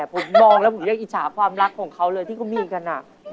ผมมองแล้วผมยังอิจฉาความรักของเขาเลยที่เขามีกัน